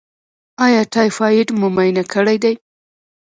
ایا ټایفایډ مو معاینه کړی دی؟